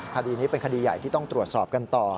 คดีนี้เป็นคดีใหญ่ที่ต้องตรวจสอบกันต่อ